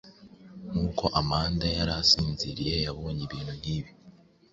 Nkuko amanda yari asinziriye, yabonye ibintu nk'ibi!